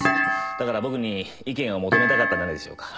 だから僕に意見を求めたかったんじゃないでしょうか。